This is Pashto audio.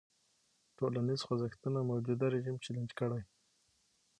ټولنیز خوځښتونه موجوده رژیم چلنج کړي.